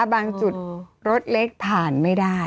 บางจุดรถเล็กผ่านไม่ได้